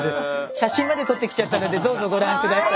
写真まで撮ってきちゃったのでどうぞご覧下さい。